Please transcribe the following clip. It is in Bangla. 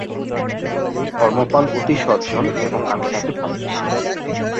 ধর্মপাল অতি সজ্জন এবং আমি তাঁকে ভালবাসি।